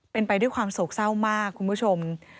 เป็นไปด้วยความโศกเศร้ามากคุณผู้ชม